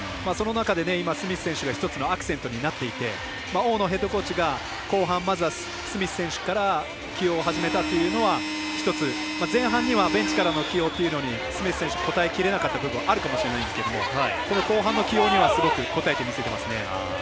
その中で今、スミス選手が一つのアクセントになっていて大野ヘッドコーチが後半、まずはスミス選手から起用を始めたというのは一つ、前半にはベンチからの起用というのにスミス選手、応え切れなかった部分あるかもしれないですけど後半の起用にはすごく応えてみせてますね。